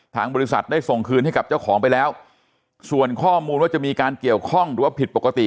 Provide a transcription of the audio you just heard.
ทางบริษัทได้ส่งคืนให้กับเจ้าของไปแล้วส่วนข้อมูลว่าจะมีการเกี่ยวข้องหรือว่าผิดปกติ